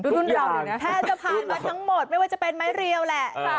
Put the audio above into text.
รุ่นเราแทบจะผ่านมาทั้งหมดไม่ว่าจะเป็นไม้เรียวแหละ